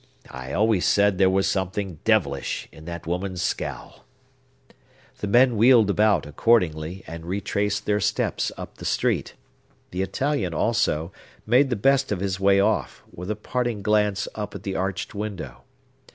—I always said there was something devilish in that woman's scowl!" The men wheeled about, accordingly, and retraced their steps up the street. The Italian, also, made the best of his way off, with a parting glance up at the arched window.